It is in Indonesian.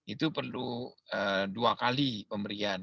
itu perlu dua kali pemberian